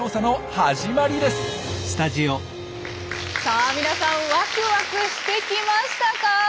さあ皆さんワクワクしてきましたか？